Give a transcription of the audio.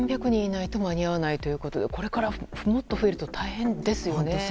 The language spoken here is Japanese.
３００人いないと間に合わないということでこれからもっと増えると大変ですよね。